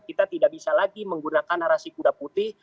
kita tidak bisa lagi menggunakan narasi kuda putih